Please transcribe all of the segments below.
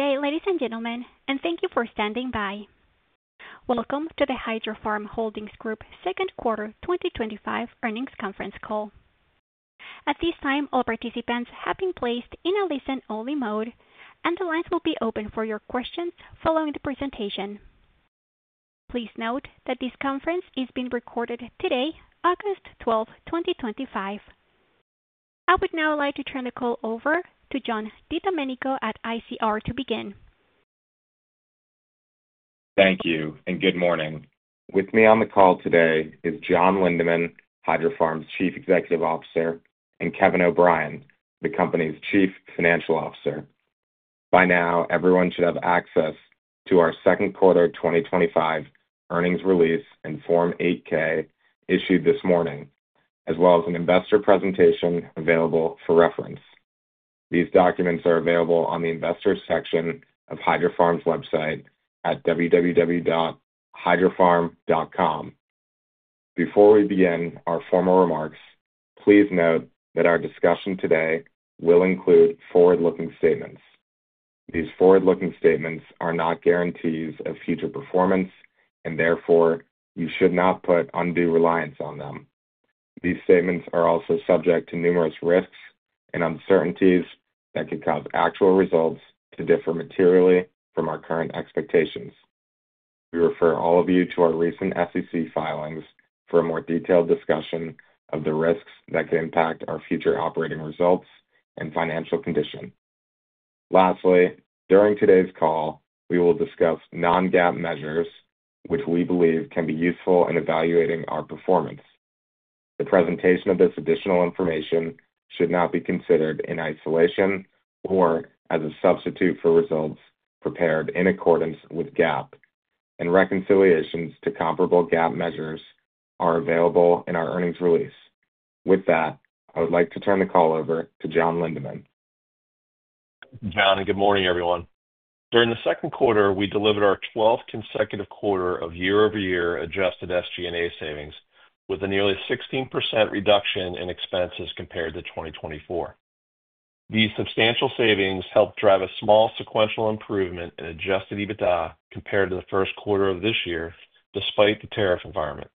Okay, ladies and gentlemen, thank you for standing by. Welcome to the Hydrofarm Holdings Group Second Quarter 2025 Earnings Conference Call. At this time, all participants have been placed in a listen-only mode, and the lines will be open for your questions following the presentation. Please note that this conference is being recorded today, August 12, 2025. I would now like to turn the call over to John DiDomenico at ICR to begin. Thank you, and good morning. With me on the call today is John Lindeman, Hydrofarm's Chief Executive Officer, and Kevin O'Brien, the company's Chief Financial Officer. By now, everyone should have access to our second quarter 2025 earnings release and Form 8-K issued this morning, as well as an investor presentation available for reference. These documents are available on the investors' section of Hydrofarm's website at www.hydrofarm.com. Before we begin our formal remarks, please note that our discussion today will include forward-looking statements. These forward-looking statements are not guarantees of future performance, and therefore, you should not put undue reliance on them. These statements are also subject to numerous risks and uncertainties that could cause actual results to differ materially from our current expectations. We refer all of you to our recent SEC filings for a more detailed discussion of the risks that could impact our future operating results and financial condition. Lastly, during today's call, we will discuss non-GAAP measures, which we believe can be useful in evaluating our performance. The presentation of this additional information should not be considered in isolation or as a substitute for results prepared in accordance with GAAP, and reconciliations to comparable GAAP measures are available in our earnings release. With that, I would like to turn the call over to John Lindeman. John, and good morning, everyone. During the second quarter, we delivered our 12th consecutive quarter of year-over-year adjusted SG&A savings, with a nearly 16% reduction in expenses compared to 2024. These substantial savings helped drive a small sequential improvement in adjusted EBITDA compared to the first quarter of this year, despite the tariff environment.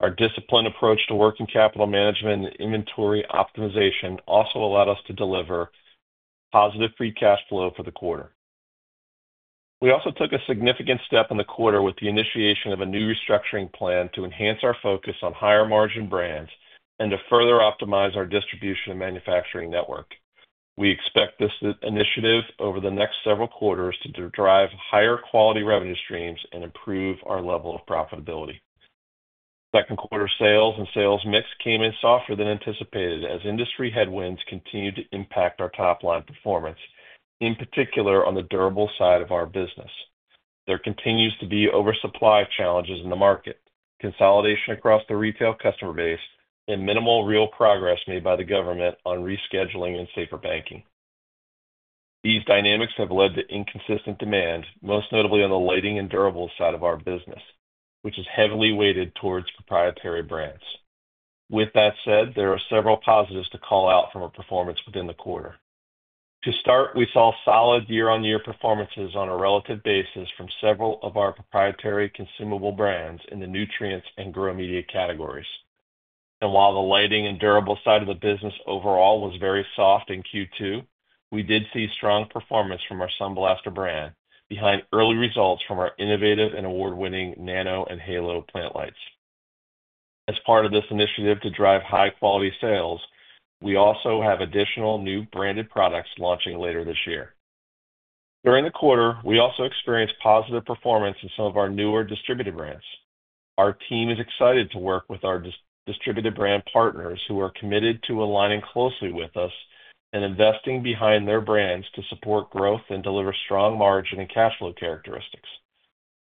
Our disciplined approach to working capital management and inventory optimization also allowed us to deliver positive free cash flow for the quarter. We also took a significant step in the quarter with the initiation of a new restructuring plan to enhance our focus on higher margin brands and to further optimize our distribution and manufacturing network. We expect this initiative over the next several quarters to drive higher quality revenue streams and improve our level of profitability. Second quarter sales and sales mix came in softer than anticipated as industry headwinds continue to impact our top-line performance, in particular on the durable side of our business. There continues to be oversupply challenges in the market, consolidation across the retail customer base, and minimal real progress made by the government on rescheduling and safer banking. These dynamics have led to inconsistent demand, most notably on the lighting and durable side of our business, which is heavily weighted towards proprietary brands. With that said, there are several positives to call out from our performance within the quarter. To start, we saw solid year-on-year performances on a relative basis from several of our proprietary consumable brands in the nutrients and grow media categories. While the lighting and durable side of the business overall was very soft in Q2, we did see strong performance from our SunBlaster brand, behind early results from our innovative and award-winning Nano and Halo plant lights. As part of this initiative to drive high-quality sales, we also have additional new branded products launching later this year. During the quarter, we also experienced positive performance in some of our newer distributed brands. Our team is excited to work with our distributed brand partners who are committed to aligning closely with us and investing behind their brands to support growth and deliver strong margin and cash flow characteristics.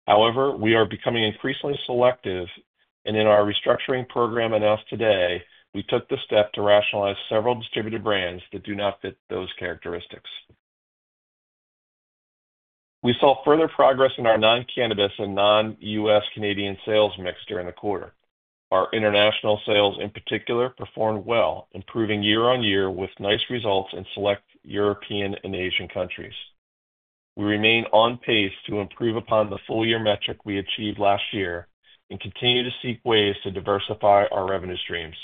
However, we are becoming increasingly selective, and in our restructuring program announced today, we took the step to rationalize several distributed brands that do not fit those characteristics. We saw further progress in our non-cannabis and non-U.S. Canadian sales mix during the quarter. Our international sales in particular performed well, improving year-on-year with nice results in select European and Asian countries. We remain on pace to improve upon the full-year metric we achieved last year and continue to seek ways to diversify our revenue streams.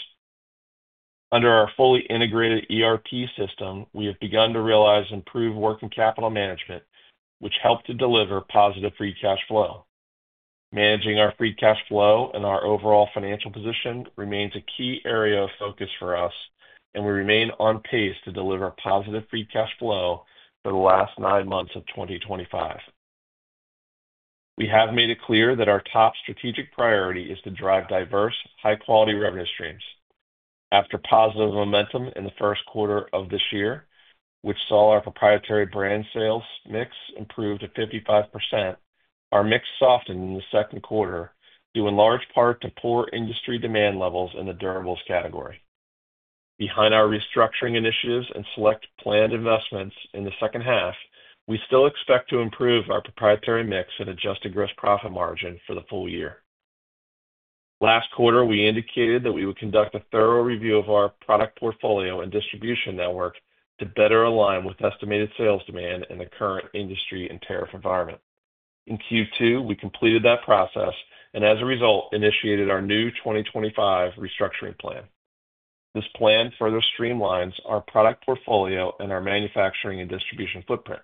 Under our fully integrated ERP system, we have begun to realize improved working capital management, which helped to deliver positive free cash flow. Managing our free cash flow and our overall financial position remains a key area of focus for us, and we remain on pace to deliver positive free cash flow for the last nine months of 2025. We have made it clear that our top strategic priority is to drive diverse, high-quality revenue streams. After positive momentum in the first quarter of this year, which saw our proprietary brand sales mix improve to 55%, our mix softened in the second quarter due in large part to poor industry demand levels in the durables category. Behind our restructuring initiatives and select planned investments in the second half, we still expect to improve our proprietary mix and adjust the gross profit margin for the full year. Last quarter, we indicated that we would conduct a thorough review of our product portfolio and distribution network to better align with estimated sales demand in the current industry and tariff environment. In Q2, we completed that process and, as a result, initiated our new 2025 restructuring plan. This plan further streamlines our product portfolio and our manufacturing and distribution footprint.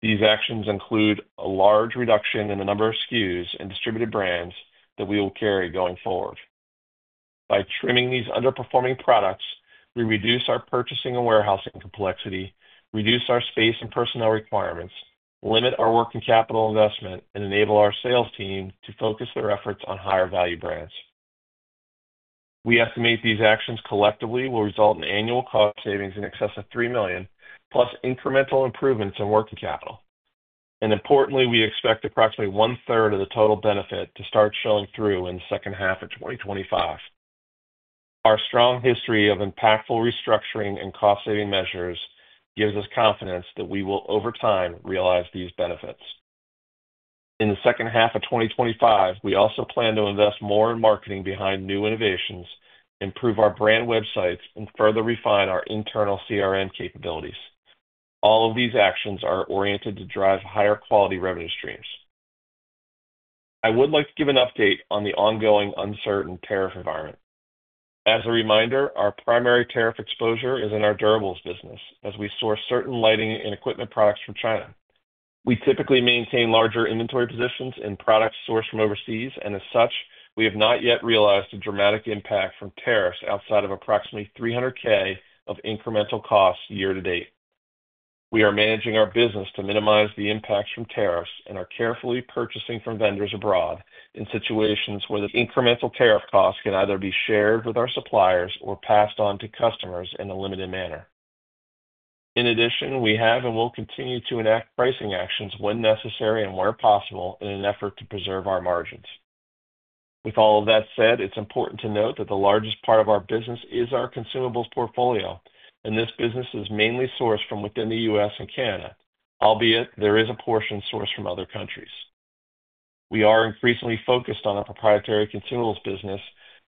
These actions include a large reduction in the number of SKUs and distributed brands that we will carry going forward. By trimming these underperforming products, we reduce our purchasing and warehousing complexity, reduce our space and personnel requirements, limit our working capital investment, and enable our sales team to focus their efforts on higher value brands. We estimate these actions collectively will result in annual cost savings in excess of $3 million, plus incremental improvements in working capital. Importantly, we expect approximately one-third of the total benefit to start showing through in the second half of 2025. Our strong history of impactful restructuring and cost-saving measures gives us confidence that we will, over time, realize these benefits. In the second half of 2025, we also plan to invest more in marketing behind new innovations, improve our brand websites, and further refine our internal CRM capabilities. All of these actions are oriented to drive higher quality revenue streams. I would like to give an update on the ongoing uncertain tariff environment. As a reminder, our primary tariff exposure is in our durables business, as we source certain lighting and equipment products from China. We typically maintain larger inventory positions in products sourced from overseas, and as such, we have not yet realized a dramatic impact from tariffs outside of approximately $300,000 of incremental costs year to date. We are managing our business to minimize the impacts from tariffs and are carefully purchasing from vendors abroad in situations where the incremental tariff costs can either be shared with our suppliers or passed on to customers in a limited manner. In addition, we have and will continue to enact pricing actions when necessary and where possible in an effort to preserve our margins. With all of that said, it's important to note that the largest part of our business is our consumables portfolio, and this business is mainly sourced from within the U.S. and Canada, albeit there is a portion sourced from other countries. We are increasingly focused on a proprietary consumables business,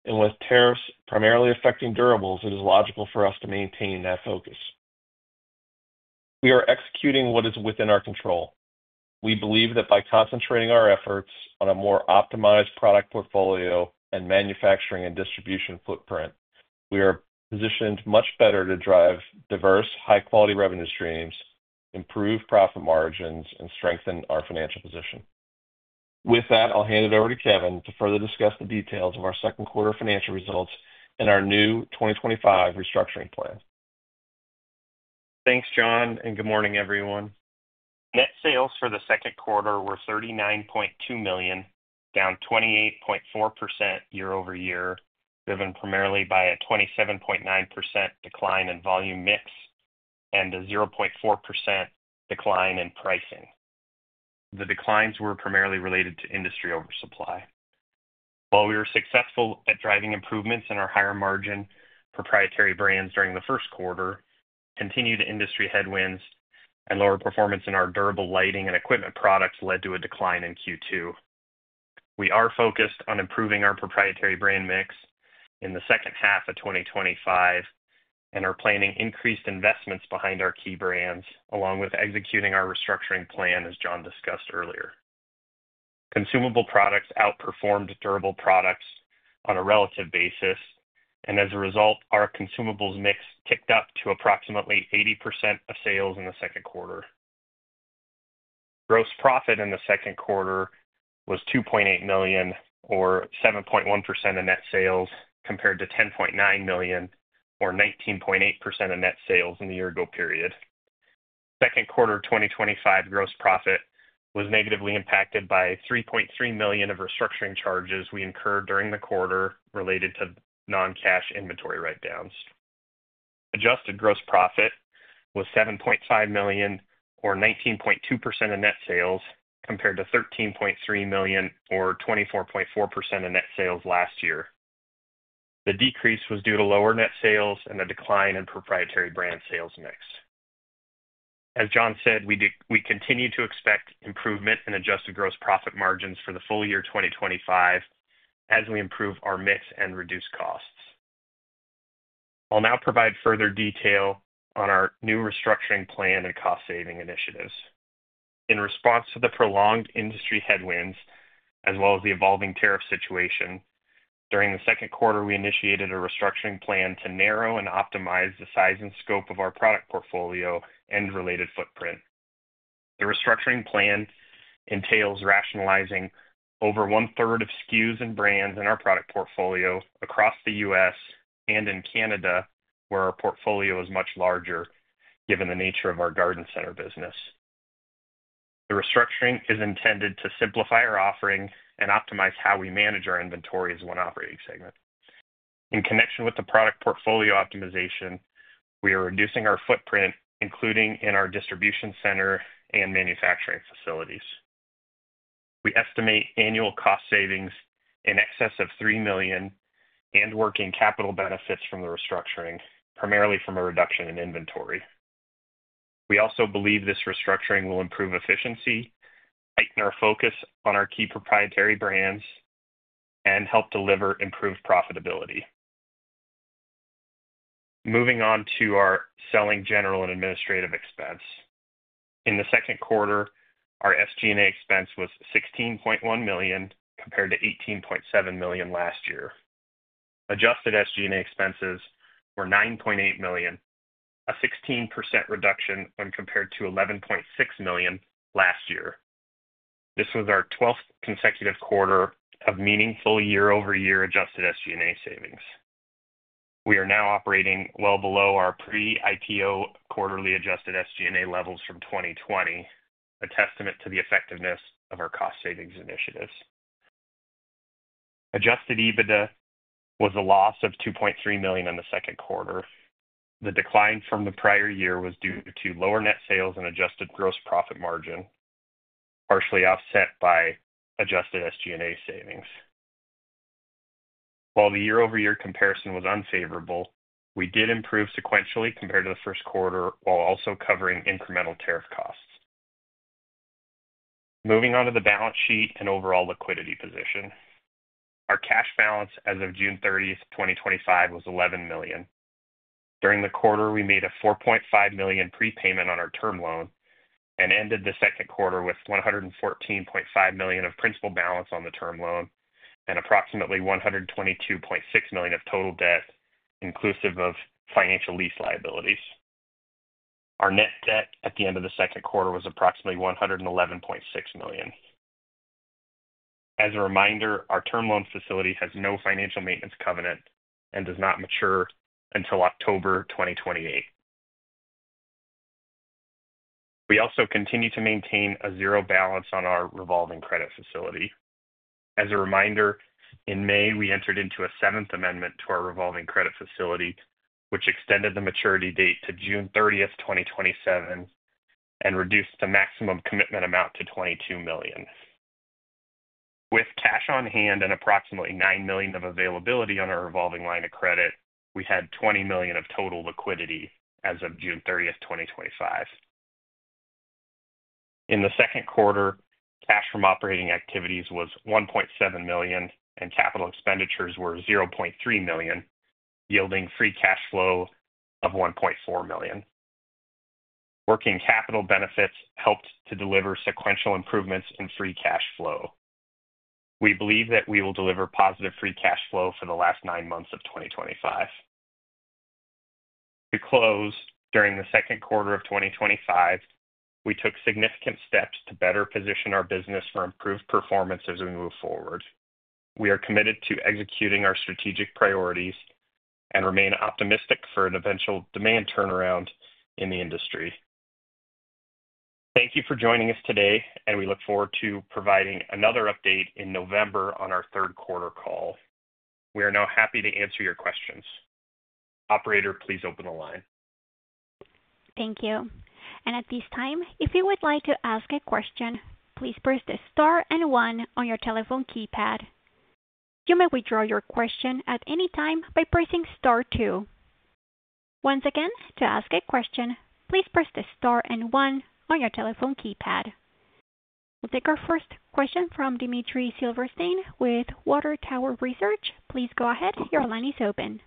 and with tariffs primarily affecting durables, it is logical for us to maintain that focus. We are executing what is within our control. We believe that by concentrating our efforts on a more optimized product portfolio and manufacturing and distribution footprint, we are positioned much better to drive diverse, high-quality revenue streams, improve profit margins, and strengthen our financial position. With that, I'll hand it over to Kevin to further discuss the details of our second quarter financial results and our new 2025 restructuring plan. Thanks, John, and good morning, everyone. Net sales for the second quarter were $39.2 million, down 28.4% year-over-year, driven primarily by a 27.9% decline in volume mix and a 0.4% decline in pricing. The declines were primarily related to industry oversupply. While we were successful at driving improvements in our higher margin proprietary brands during the first quarter, continued industry headwinds and lower performance in our durable lighting and equipment products led to a decline in Q2. We are focused on improving our proprietary brand mix in the second half of 2025 and are planning increased investments behind our key brands, along with executing our restructuring plan, as John discussed earlier. Consumable products outperformed durable products on a relative basis, and as a result, our consumables mix kicked up to approximately 80% of sales in the second quarter. Gross profit in the second quarter was $2.8 million, or 7.1% of net sales, compared to $10.9 million, or 19.8% of net sales in the year-ago period. Second quarter 2025 gross profit was negatively impacted by $3.3 million of restructuring charges we incurred during the quarter related to non-cash inventory write-downs. Adjusted gross profit was $7.5 million, or 19.2% of net sales, compared to $13.3 million, or 24.4% of net sales last year. The decrease was due to lower net sales and a decline in proprietary brand sales mix. As John said, we continue to expect improvement in adjusted gross profit margins for the full year 2025 as we improve our mix and reduce costs. I'll now provide further detail on our new restructuring plan and cost-saving initiatives. In response to the prolonged industry headwinds, as well as the evolving tariff situation, during the second quarter, we initiated a restructuring plan to narrow and optimize the size and scope of our product portfolio and related footprint. The restructuring plan entails rationalizing over 1/3 of SKUs and brands in our product portfolio across the U.S. and in Canada, where our portfolio is much larger, given the nature of our garden center business. The restructuring is intended to simplify our offering and optimize how we manage our inventory as one operating segment. In connection with the product portfolio optimization, we are reducing our footprint, including in our distribution center and manufacturing facilities. We estimate annual cost savings in excess of $3 million and working capital benefits from the restructuring, primarily from a reduction in inventory. We also believe this restructuring will improve efficiency, heighten our focus on our key proprietary brands, and help deliver improved profitability. Moving on to our selling, general, and administrative expense. In the second quarter, our SG&A expense was $16.1 million compared to $18.7 million last year. Adjusted SG&A expenses were $9.8 million, a 16% reduction when compared to $11.6 million last year. This was our 12th consecutive quarter of meaningful year-over-year adjusted SG&A savings. We are now operating well below our pre-IPO quarterly adjusted SG&A levels from 2020, a testament to the effectiveness of our cost-savings initiatives. Adjusted EBITDA was a loss of $2.3 million in the second quarter. The decline from the prior year was due to lower net sales and adjusted gross profit margin, partially offset by adjusted SG&A savings. While the year-over-year comparison was unfavorable, we did improve sequentially compared to the first quarter, while also covering incremental tariff costs. Moving on to the balance sheet and overall liquidity position. Our cash balance as of June 30, 2025, was $11 million. During the quarter, we made a $4.5 million prepayment on our term loan and ended the second quarter with $114.5 million of principal balance on the term loan and approximately $122.6 million of total debt, inclusive of financial lease liabilities. Our net debt at the end of the second quarter was approximately $111.6 million. As a reminder, our term loan facility has no financial maintenance covenant and does not mature until October 2028. We also continue to maintain a zero balance on our revolving credit facility. As a reminder, in May, we entered into a Seventh Amendment to our revolving credit facility, which extended the maturity date to June 30th, 2027, and reduced the maximum commitment amount to $22 million. With cash on hand and approximately $9 million of availability on our revolving line of credit, we had $20 million of total liquidity as of June 30th, 2025. In the second quarter, cash from operating activities was $1.7 million, and capital expenditures were $0.3 million, yielding free cash flow of $1.4 million. Working capital benefits helped to deliver sequential improvements in free cash flow. We believe that we will deliver positive free cash flow for the last nine months of 2025. To close, during the second quarter of 2025, we took significant steps to better position our business for improved performance as we move forward. We are committed to executing our strategic priorities and remain optimistic for an eventual demand turnaround in the industry. Thank you for joining us today, and we look forward to providing another update in November on our third quarter call. We are now happy to answer your questions. Operator, please open the line. Thank you. At this time, if you would like to ask a question, please press the star and one on your telephone keypad. You may withdraw your question at any time by pressing star two. Once again, to ask a question, please press the star and one on your telephone keypad. We'll take our first question from Dimitri Silverstein with Water Tower Research. Please go ahead, your line is open.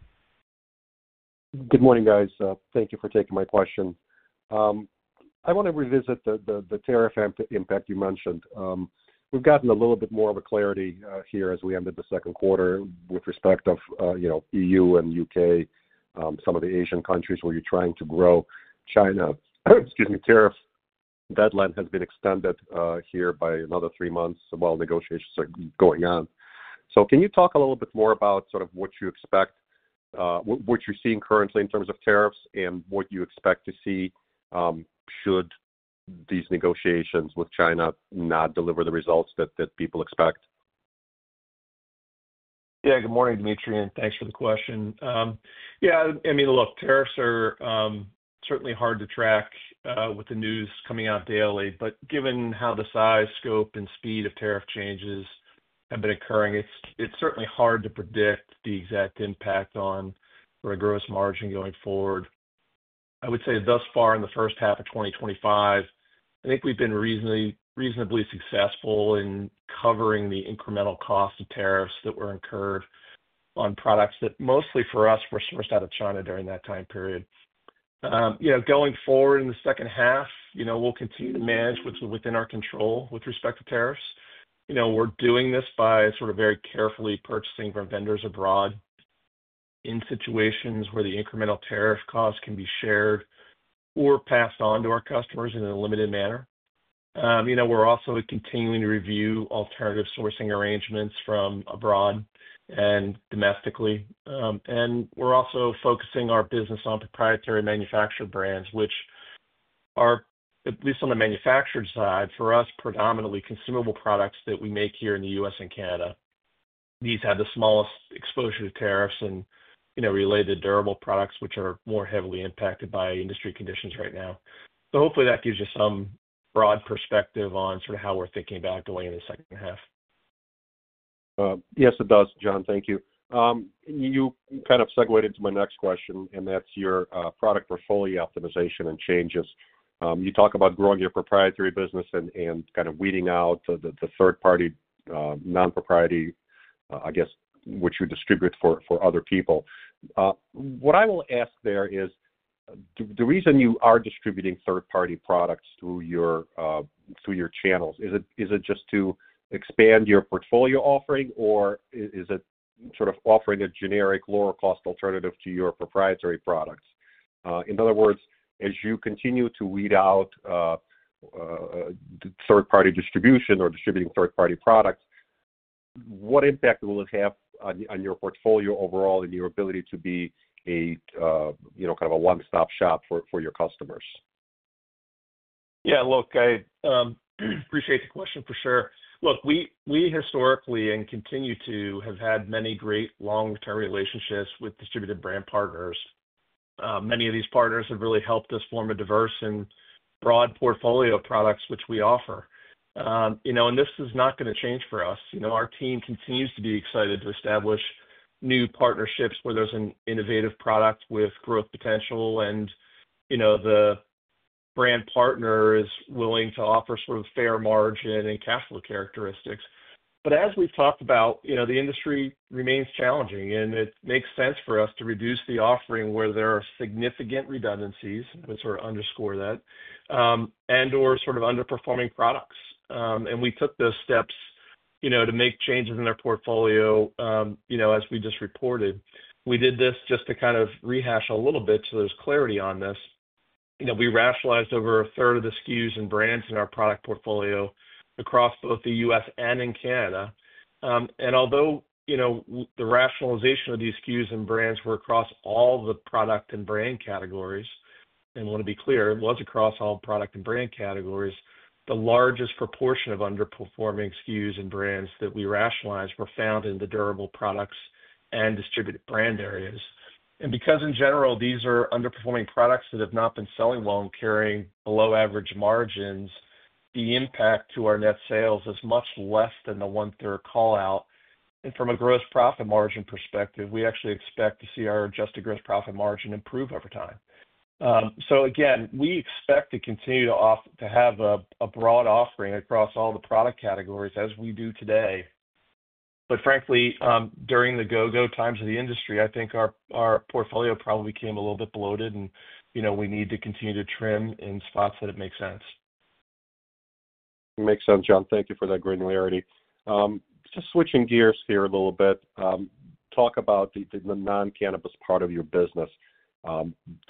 Good morning, guys. Thank you for taking my question. I want to revisit the tariff impact you mentioned. We've gotten a little bit more clarity here as we ended the second quarter with respect to EU and UK, some of the Asian countries where you're trying to grow. China, excuse me, the tariff deadline has been extended here by another three months while negotiations are going on. Can you talk a little bit more about what you expect, what you're seeing currently in terms of tariffs, and what you expect to see should these negotiations with China not deliver the results that people expect? Yeah, good morning, Dimitri, and thanks for the question. Yeah, I mean, look, tariffs are certainly hard to track with the news coming out daily, but given how the size, scope, and speed of tariff changes have been occurring, it's certainly hard to predict the exact impact on our gross margin going forward. I would say thus far in the first half of 2025, I think we've been reasonably successful in covering the incremental cost of tariffs that were incurred on products that mostly for us were sourced out of China during that time period. Going forward in the second half, we'll continue to manage what's within our control with respect to tariffs. We're doing this by sort of very carefully purchasing from vendors abroad in situations where the incremental tariff costs can be shared or passed on to our customers in a limited manner. We're also continuing to review alternative sourcing arrangements from abroad and domestically. We're also focusing our business on proprietary manufactured brands, which are, at least on the manufactured side, for us, predominantly consumable products that we make here in the U.S. and Canada. These have the smallest exposure to tariffs and related durable products, which are more heavily impacted by industry conditions right now. Hopefully that gives you some broad perspective on sort of how we're thinking about going in the second half. Yes, it does, John. Thank you. You kind of segued into my next question, and that's your product portfolio optimization and changes. You talk about growing your proprietary business and kind of weeding out the third-party non-proprietary, I guess, what you distribute for other people. What I will ask there is, the reason you are distributing third-party products through your channels, is it just to expand your portfolio offering, or is it sort of offering a generic lower-cost alternative to your proprietary products? In other words, as you continue to weed out third-party distribution or distributing third-party products, what impact will it have on your portfolio overall and your ability to be a, you know, kind of a one-stop shop for your customers? Yeah, look, I appreciate the question for sure. We historically and continue to have had many great long-term relationships with distributed brand partners. Many of these partners have really helped us form a diverse and broad portfolio of products which we offer. This is not going to change for us. Our team continues to be excited to establish new partnerships where there's an innovative product with growth potential and the brand partner is willing to offer sort of fair margin and cash flow characteristics. As we've talked about, the industry remains challenging, and it makes sense for us to reduce the offering where there are significant redundancies, which sort of underscore that, and/or sort of underperforming products. We took those steps to make changes in our portfolio, as we just reported. We did this just to kind of rehash a little bit so there's clarity on this. We rationalized over a third of the SKUs and brands in our product portfolio across both the U.S. and in Canada. Although the rationalization of these SKUs and brands was across all the product and brand categories, and I want to be clear, it was across all product and brand categories, the largest proportion of underperforming SKUs and brands that we rationalized were found in the durable products and distributed brand areas. Because in general, these are underperforming products that have not been selling well and carrying below average margins, the impact to our net sales is much less than the one-third callout. From a gross profit margin perspective, we actually expect to see our adjusted gross profit margin improve over time. We expect to continue to have a broad offering across all the product categories as we do today. Frankly, during the go-go times of the industry, I think our portfolio probably became a little bit bloated, and we need to continue to trim in spots that it makes sense. Makes sense, John. Thank you for that granularity. Just switching gears here a little bit, talk about the non-cannabis part of your business. From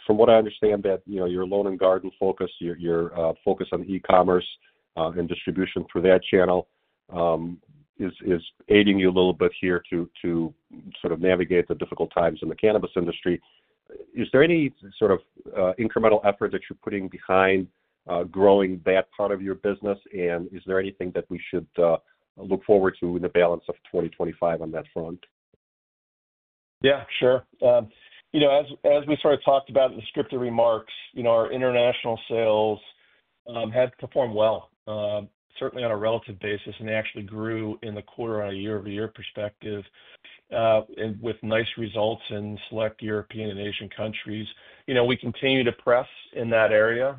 what I understand, your lawn and garden focus, your focus on e-commerce and distribution for that channel, is aiding you a little bit here to sort of navigate the difficult times in the cannabis industry. Is there any sort of incremental effort that you're putting behind growing that part of your business, and is there anything that we should look forward to in the balance of 2025 on that front? Yeah, sure. As we sort of talked about in the scripted remarks, our international sales have performed well, certainly on a relative basis, and they actually grew in the quarter on a year-over-year perspective, with nice results in select European and Asian countries. We continue to press in that area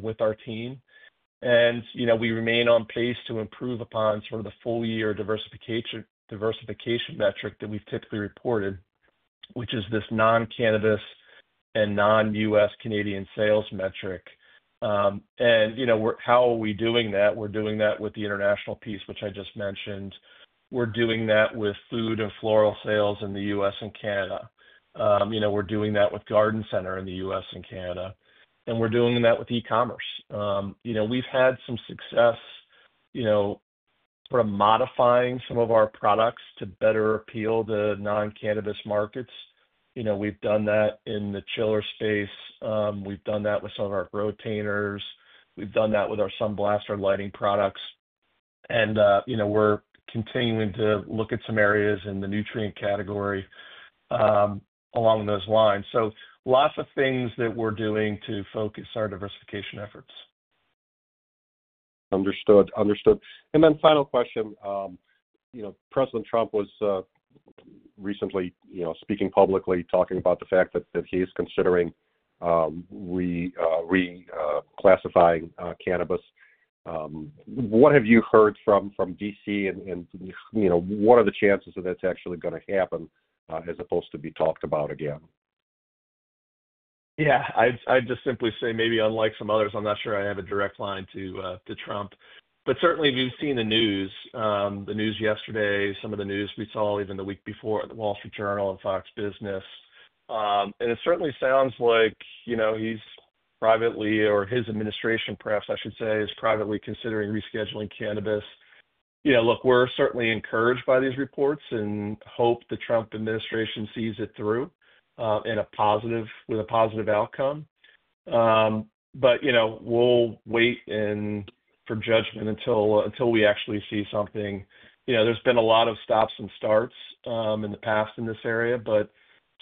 with our team, and we remain on pace to improve upon the full-year diversification metric that we've typically reported, which is this non-cannabis and non-U.S. Canadian sales metric. How are we doing that? We're doing that with the international piece, which I just mentioned. We're doing that with food and floral sales in the U.S. and Canada. We're doing that with garden center in the U.S. and Canada. We're doing that with e-commerce. We've had some success modifying some of our products to better appeal to non-cannabis markets. We've done that in the chiller space. We've done that with some of our growtainers. We've done that with our SunBlaster lighting products. We're continuing to look at some areas in the nutrient category along those lines. Lots of things that we're doing to focus our diversification efforts. Understood. Understood. Final question. You know, President Trump was recently, you know, speaking publicly, talking about the fact that he is considering reclassifying cannabis. What have you heard from D.C., and you know, what are the chances that that's actually going to happen as opposed to be talked about again? Yeah, I'd just simply say maybe unlike some others, I'm not sure I have a direct line to Trump. Certainly, we've seen the news, the news yesterday, some of the news we saw even the week before at The Wall Street Journal and Fox Business. It certainly sounds like, you know, he's privately, or his administration, perhaps I should say, is privately considering rescheduling cannabis. We're certainly encouraged by these reports and hope the Trump administration sees it through with a positive outcome. We'll wait for judgment until we actually see something. There's been a lot of stops and starts in the past in this area.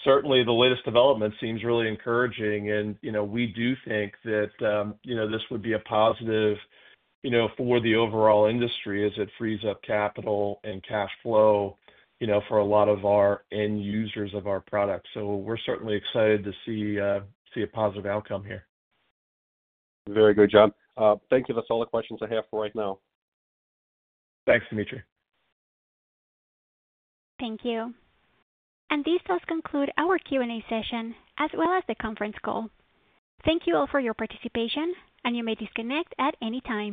Certainly, the latest development seems really encouraging, and we do think that this would be a positive for the overall industry as it frees up capital and cash flow for a lot of our end users of our products. We're certainly excited to see a positive outcome here. Very good, John. Thank you. That's all the questions I have for right now. Thanks, Dimitri. Thank you. This does conclude our Q&A session, as well as the conference call. Thank you all for your participation, and you may disconnect at any time.